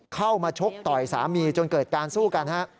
เข้ามาชกต่อยสามีจนเกิดการสู้กันฮะ